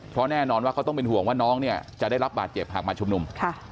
เพราะแน่นอนว่าเขาต้องเป็นห่วงว่าน้องเนี่ยจะได้รับบาดเจ็บหากมาชุมนุม